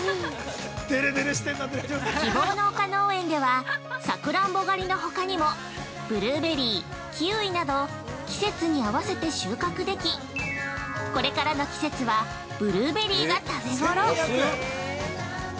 ◆希望の丘農園ではさくらんぼ狩りのほかにもブルーベリー、キウイなど季節に合わせて収穫でき、これからの季節はブルーベリーが食べごろ。